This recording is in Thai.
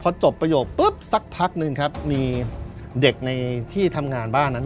พอจบประโยคปุ๊บสักพักหนึ่งครับมีเด็กในที่ทำงานบ้านนั้น